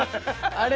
あれ。